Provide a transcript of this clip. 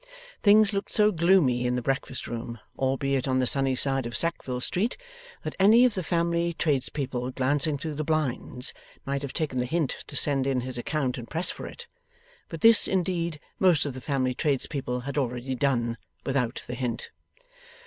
Things looked so gloomy in the breakfast room, albeit on the sunny side of Sackville Street, that any of the family tradespeople glancing through the blinds might have taken the hint to send in his account and press for it. But this, indeed, most of the family tradespeople had already done, without the hint.